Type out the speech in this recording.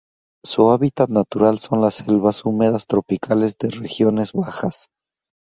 Su hábitat natural son las selvas húmedas tropicales de regiones bajas.